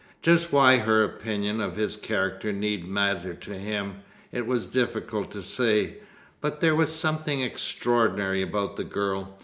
Just why her opinion of his character need matter to him, it was difficult to say, but there was something extraordinary about the girl.